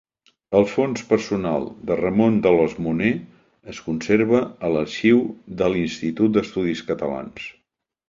El fons personal de Ramon d'Alòs-Moner es conserva a l'arxiu de l'Institut d'Estudis Catalans.